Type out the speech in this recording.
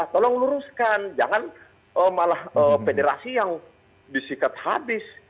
tolong luruskan jangan malah federasi yang disikat habis